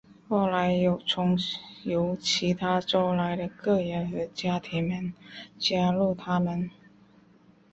后来有从由其他州来的个人和家庭们加入他们。